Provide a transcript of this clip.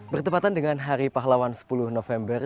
bertepatan dengan hari pahlawan sepuluh november